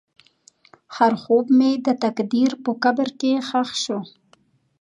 هر خوب مې د تقدیر په قبر کې ښخ شو.